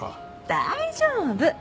大丈夫。